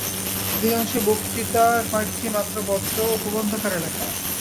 অধিকাংশই বক্তৃতা, কয়েকটি মাত্র পত্র ও প্রবন্ধাকারে লেখা।